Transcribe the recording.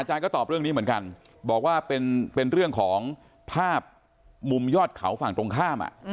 ตอบเรื่องนี้เหมือนกันบอกว่าเป็นเรื่องของภาพมุมยอดเขาฝั่งตรงข้าม